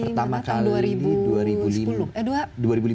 pertama kali ini dua ribu lima